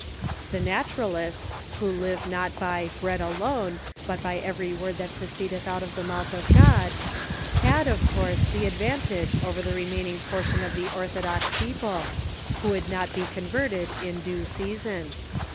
The Naturalists, who live not by " bread alone, but by every word that proceedeth out of the mouth of God," had, of course, the advantage over the remaining portion of the orthodox people, who would not be converted in due season.